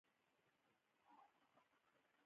دوی به تر هغه وخته پورې نوي مهارتونه زده کوي.